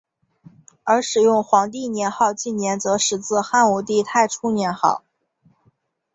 而使用皇帝年号纪年则始自汉武帝太初年号。